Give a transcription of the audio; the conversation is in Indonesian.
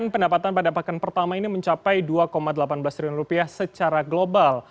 pendapatan pada pakan pertama ini mencapai dua delapan belas triliun rupiah secara global